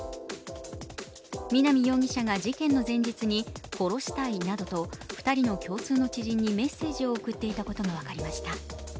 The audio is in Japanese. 南容疑者が事件の前日に殺したいなどと２人と共通の知人にメッセージを送っていたことが分かりました。